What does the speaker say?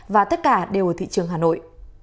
và tất cả đều ở thị trường hà nội